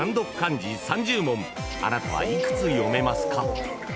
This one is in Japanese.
［あなたは幾つ読めますか？］